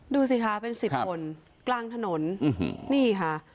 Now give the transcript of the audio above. ดูสิคะเป็นสิบคนกลางถนนนี่ค่ะ